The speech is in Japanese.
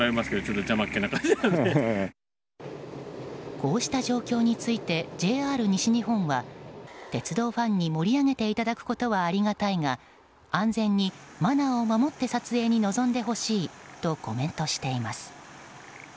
こうした状況についてＪＲ西日本は鉄道ファンに盛り上げていただくことはありがたいが安全にマナーを守って撮影に臨んでほしいとコメントしています。